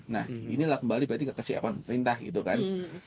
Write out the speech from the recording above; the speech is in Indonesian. nah inilah kembali berarti nggak kasih akun perintah gitu kan